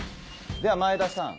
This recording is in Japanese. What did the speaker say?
では前田さん